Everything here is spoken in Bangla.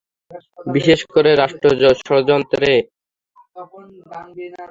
বিশেষ করে রাষ্ট্রযন্ত্রকে নিজেদের সুবিধা অনুযায়ী ব্যবহারের প্রবণতা থেকে সরে আসতে হবে।